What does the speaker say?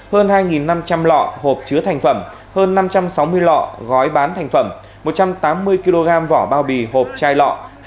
hơn hai năm trăm linh lọ hộp chứa thành phẩm hơn năm trăm sáu mươi lọ gói bán thành phẩm một trăm tám mươi kg vỏ bao bì hộp chai lọ